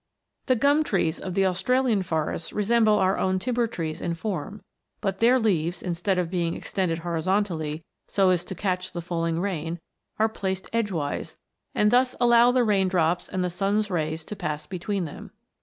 The gum trees of the Australian forests resemble our own timber trees in form, but their leaves, in stead of being extended horizontally so as to catch the falling rain, are placed edgewise, and thus allow the rain drops and the sun's rays to pass between them.